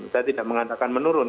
saya tidak mengatakan menurun